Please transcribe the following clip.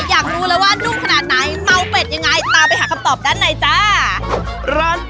อยากรู้แล้วว่านุ่มขนาดไหนเมาเป็ดยังไงตามไปหาคำตอบด้านในจ้า